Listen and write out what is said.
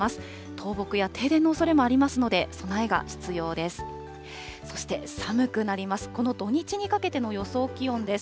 倒木や停電のおそれもありますので、備えが必要です。